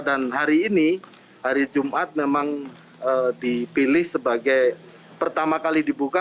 dan hari ini hari jumat memang dipilih sebagai pertama kali dibuka